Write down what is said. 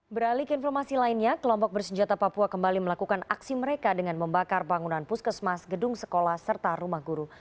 beralik informasi lainnya kelompok bersenjata papua kembali melakukan aksi mereka dengan membakar bangunan puskesmas gedung sekolah serta rumah guru